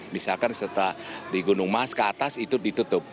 misalkan setelah di gunung mas ke atas itu ditutup